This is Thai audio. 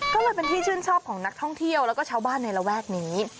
ก็เลยเป็นที่ชื่นชอบของนักท่องเที่ยวแล้วก็ชาวบ้านในระแวกนี้